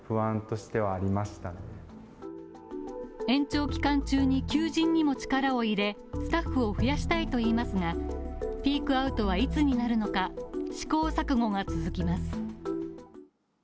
延長期間中に求人にも力を入れスタッフを増やしたいといいますが、ピークアウトはいつになるのか試行錯誤が続きます。